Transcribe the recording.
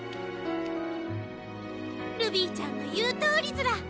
ルビィちゃんの言うとおりずら。